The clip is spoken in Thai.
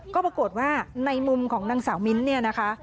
ก็ปรากฏว่าในมุมของนางสาวมิ้นท์เนี่ยนะคะ